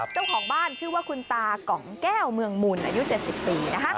เจ้าของบ้านชื่อว่าคุณตากองแก้วเมืองมุนอายุ๗๐ปีนะคะ